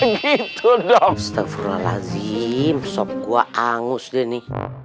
gitu dong setafurlah lazim sop gua angus gini